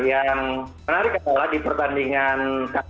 yang menarik adalah di pertandingan